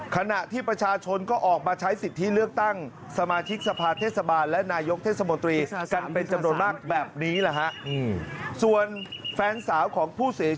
ขณะที่ประชาชนก็ออกมาใช้สิทธิเลือกตั้ง